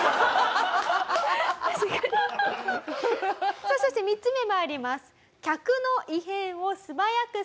さあそして３つ目参ります。